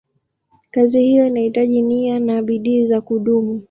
Kazi hiyo inahitaji nia na bidii za kudumu.